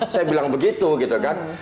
saya bilang begitu gitu kan